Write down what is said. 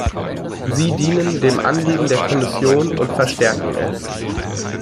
Sie dienen dem Anliegen der Kommission und verstärken es.